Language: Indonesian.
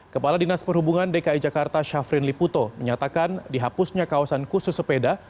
kepala dinas perhubungan dki jakarta syafrin liputo menyatakan dihapusnya kawasan khusus sepeda